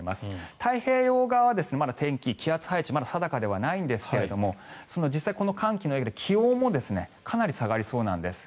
太平洋側は天気、気圧配置がまだ定かではないんですが実際、寒気により気温もかなり下がりそうなんです。